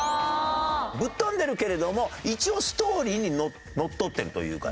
ぶっ飛んでるけれども一応ストーリーにのっとってるというかね